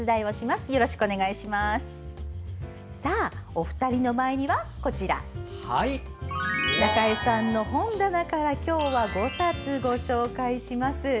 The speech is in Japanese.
お二人の前にはこちら中江さんの本棚から今日は、５冊ご紹介します。